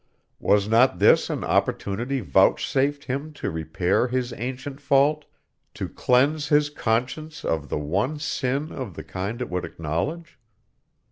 Was not this an opportunity vouchsafed him to repair his ancient fault, to cleanse his conscience of the one sin of the kind it would acknowledge?